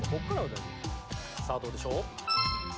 さあどうでしょう？